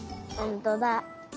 ほんとだ。